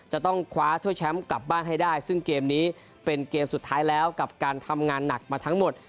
จะต้องคว้าถ้วยแชมป์กลับบ้านให้ได้ซึ่งเกมนี้เป็นเกมสุดท้ายแล้วกับการทำงานหนักมาทั้งหมด